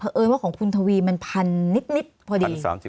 เพราะเอิญว่าของคุณทวีมันพันนิดพอดี